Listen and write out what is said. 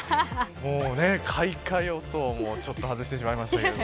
開花予想も外してしまいましたけど。